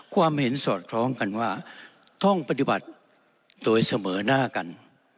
ความเห็นสอดคล้องกันว่าต้องปฏิบัติโดยเสมอหน้ากัน